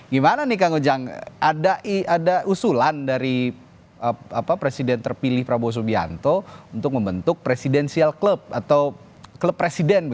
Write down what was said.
gimana nih kang ujang ada usulan dari presiden terpilih prabowo subianto untuk membentuk presidensial klub atau klub presiden